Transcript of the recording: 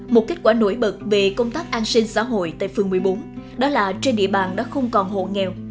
một kết quả nổi bật về công tác an sinh xã hội tại phường một mươi bốn đó là trên địa bàn đã không còn hộ nghèo